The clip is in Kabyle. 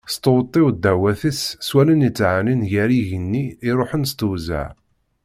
Testewtiw ddaɛwat-is s wallen yettɛennin ɣer yigenni iruḥen s tezweɣ.